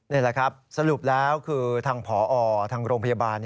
นี่แหละครับสรุปแล้วคือทางผอทางโรงพยาบาล